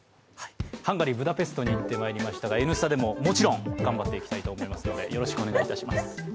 ハンガリー・ブダペストに行ってまいりましたが、「Ｎスタ」でももちろん頑張りますのでよろしくお願いいたします。